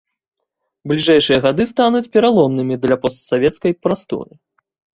Бліжэйшыя гады стануць пераломнымі для постсавецкай прасторы.